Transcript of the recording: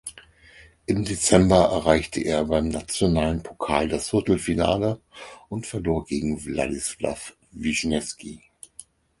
Im Dezember erreichte er beim nationalen Pokal das Viertelfinale und verlor gegen Wladyslaw Wyschnewskyj.